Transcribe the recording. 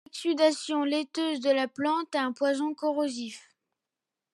L'exsudation laiteuse de la plante est un poison corrosif.